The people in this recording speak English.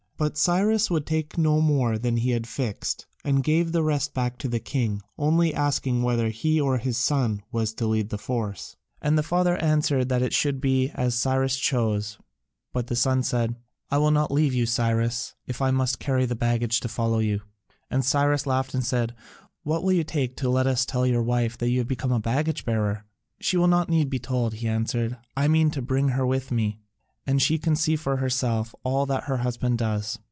But Cyrus would take no more than he had fixed, and gave the rest back to the king, only asking whether he or his son was to lead the force. And the father answered that it should be as Cyrus chose, but the son said, "I will not leave you, Cyrus, if I must carry the baggage to follow you." And Cyrus laughed and said, "What will you take to let us tell your wife that you have become a baggage bearer?" "She will not need to be told," he answered, "I mean to bring her with me, and she can see for herself all that her husband does."